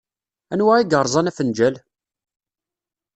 Anwa i yerẓan afenǧal?